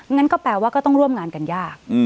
งั้นก็แปลว่าก็ต้องร่วมงานกันยาก